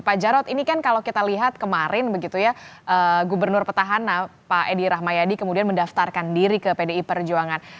pak jarod ini kan kalau kita lihat kemarin begitu ya gubernur petahana pak edi rahmayadi kemudian mendaftarkan diri ke pdi perjuangan